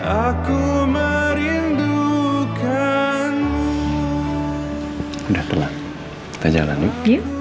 aku merindukanmu udah telah terjalan yuk